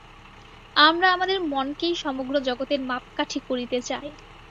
আমরা আমাদের মনকেই সমগ্র জগতের মাপকাঠি করিতে চাই।